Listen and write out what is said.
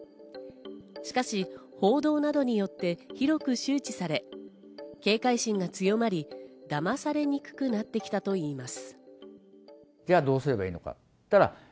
しかし報道などによって広く周知され、警戒心が強まり、だまされにくくなってきたといいます。